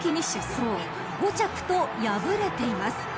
［５着と敗れています］